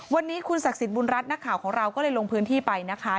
วันนี้คุณศักดิ์สิทธิบุญรัฐนักข่าวของเราก็เลยลงพื้นที่ไปนะคะ